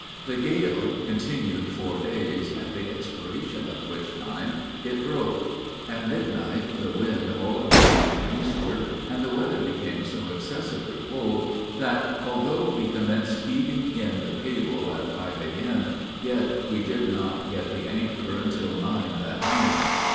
The gale continued four days, at the expiration of which time, it broke. At midnight, the wind hauled round to the eastward, and the weather became so excessively cold, that, although we commenced heaving in the cable at five A.M., yet we did not get the anchor until nine that night.